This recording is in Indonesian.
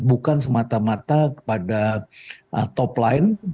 bukan semata mata kepada top line